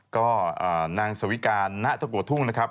ก็นางสวิการณตะกัวทุ่งนะครับ